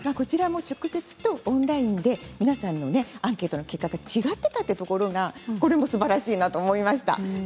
直接とオンラインで皆さんのアンケートの結果が違っていたというところがすばらしいなと思いました。